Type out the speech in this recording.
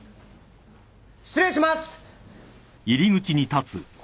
失礼します。